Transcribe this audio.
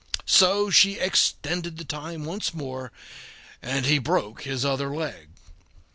So she extended the time once more, and he broke his other leg.